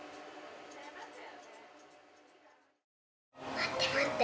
待って待って。